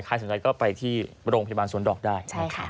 สนใจก็ไปที่โรงพยาบาลสวนดอกได้